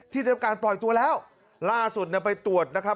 ที่ต้องการปล่อยตัวแล้วล่าสุดไปตรวจนะครับ